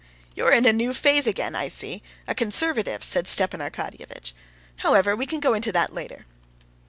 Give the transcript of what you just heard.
You're in a new phase again, I see—a conservative," said Stepan Arkadyevitch. "However, we can go into that later."